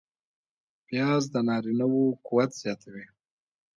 پیاز د نارینه و قوت زیاتوي